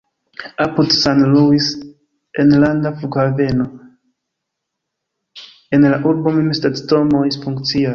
Apud San Luis enlanda flughaveno, en la urbo mem stacidomoj funkcias.